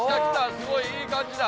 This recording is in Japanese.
すごいいい感じだ！